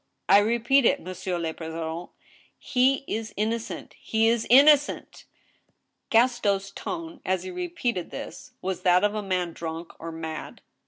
" I repeat it, monsieur le president. He is innocent— he is in nocent !" Gaston's tone, as he repeated this, was that of a man drunk or mad.